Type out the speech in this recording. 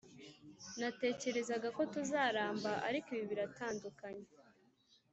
natekerezaga ko tuzaramba, ariko ibi biradutandukanya. "